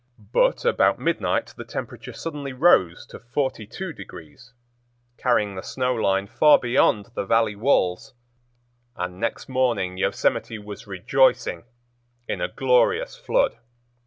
But about midnight the temperature suddenly rose to 42°, carrying the snow line far beyond the Valley walls, and next morning Yosemite was rejoicing in a glorious flood.